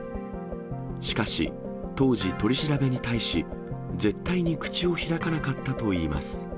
しかし、当時、取り調べに対し、絶対に口を開かなかったといいます。